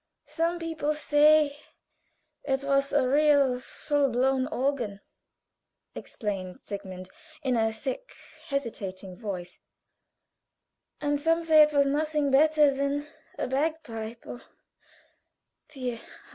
Some people say it was a real full blown organ," explained Sigmund, in a thick, hesitating voice, "and some say it was nothing better than a bag pipe oh, dear!